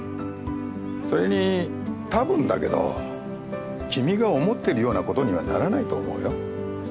それにたぶんだけど君が思ってるようなことにはならないと思うよ。